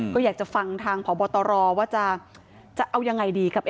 ก็อยากจะฟังทางพบตรว่าจะเอายังไงดีกับ